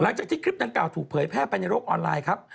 หลังจากที่คลิปนั้นกล่าวถูกเผยแพร่แปรนโยโรคออนไลน์ครับ